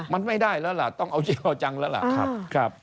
มันไม่ได้แล้วล่ะต้องเอาจริงเอาจังแล้วล่ะครับ